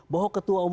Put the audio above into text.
bahwa ketua umumnya